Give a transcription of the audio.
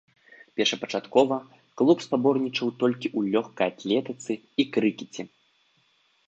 Першапачаткова клуб спаборнічаў толькі ў лёгкай атлетыцы і крыкеце.